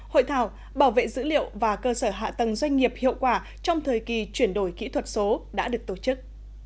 hội thảo bảo vệ dữ liệu và cơ sở hạ tầng doanh nghiệp hiệu quả trong thời kỳ chuyển đổi kỹ thuật số đã được tổ chức